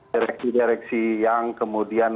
direksi direksi yang kemudian